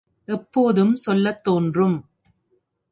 எப்போதும் சொல்லத் தோன்றும்.